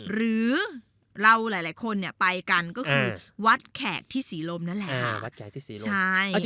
หรือเราหลายคนเนี่ยไปกันก็คือวัดแขกที่ศรีลมนั่นแหละ